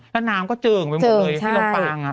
แล้วน้ำก็เจิ่งไปหมดเลยที่ลำปาง